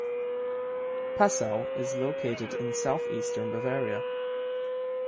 Passau is located in southeastern Bavaria.